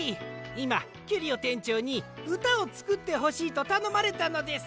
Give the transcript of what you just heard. いまキュリオてんちょうにうたをつくってほしいとたのまれたのです。